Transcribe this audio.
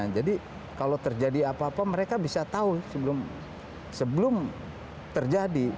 jadi kalau terjadi apa apa mereka bisa tahu sebelum terjadi